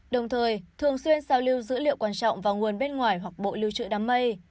đồng thời thường xuyên giao lưu dữ liệu quan trọng vào nguồn bên ngoài hoặc bộ lưu trữ đám mây